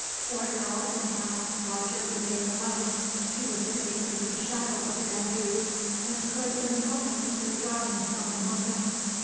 For an hour and a half Roger remained alone. He was sitting under the shadow of the bamboos, and could in a moment withdraw himself among them.